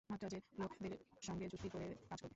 মান্দ্রাজের লোকদের সঙ্গে যুক্তি করে কাজ করবে।